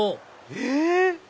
えっ？